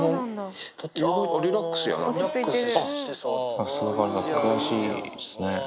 さすが詳しいですね。